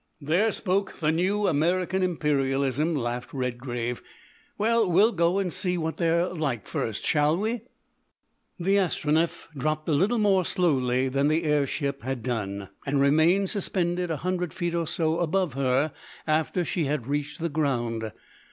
"There spoke the new American imperialism," laughed Redgrave. "Well, we'll go and see what they're like first, shall we?" The Astronef dropped a little more slowly than the air ship had done, and remained suspended a hundred feet or so above her after she had reached the ground.